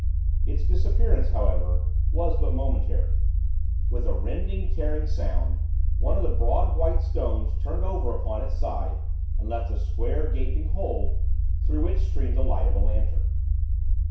Its disappearance, however, was but momentary. With a rending, tearing sound, one of the broad, white stones turned over upon its side and left a square, gaping hole, through which streamed the light of a lantern.